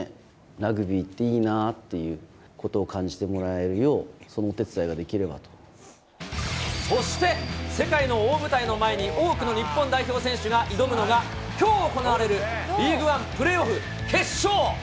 ラグビーっていいなってことを感じてもらえるよう、そのお手伝いそして、世界の大舞台の前に多くの日本代表選手が挑むのが、きょう行われるリーグワンプレーオフ決勝。